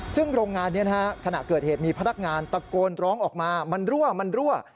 ซึ่งโรงงานนี้ขณะเกิดเหตุมีพนักงานตะโกนร้องออกมา